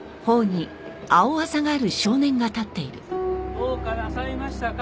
どうかなさいましたか？